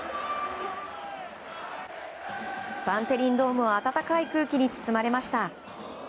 バンテリンドームは温かい空気に包まれました。